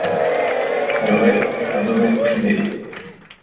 Le reste est un domaine privé.